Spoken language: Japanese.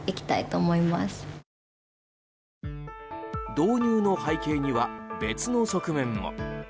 導入の背景には別の側面も。